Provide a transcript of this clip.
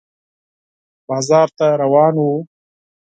بازار ته روان و